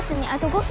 ５分。